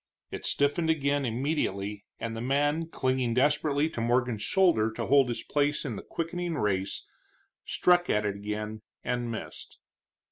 It stiffened again immediately and the man, clinging desperately to Morgan's shoulder to hold his place in the quickening race, struck at it again and missed.